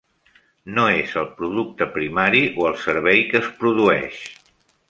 No és el producte primari o el servei que es produeix.